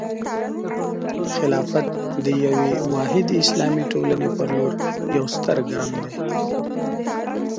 خلافت د یوې واحدې اسلامي ټولنې په لور یوه ستره ګام دی.